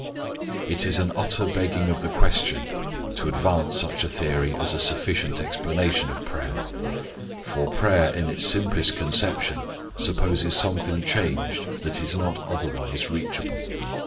It is an utter begging of the question to advance such a theory as a sufficient explanation of prayer. For prayer in its simplest conception supposes something changed that is not otherwise reachable.